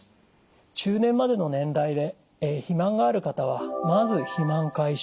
中年までの年代で肥満がある方はまず肥満解消